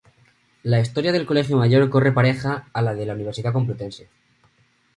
La Historia del Colegio Mayor corre pareja a la de la Universidad Complutense.